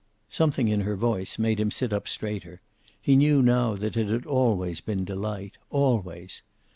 Something in her voice made him sit up straighter. He knew now that it had always been Delight, always.